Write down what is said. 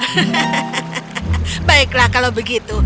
hehehe baiklah kalau begitu